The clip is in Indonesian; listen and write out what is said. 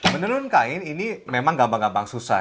menurun kain ini memang gampang gampang susah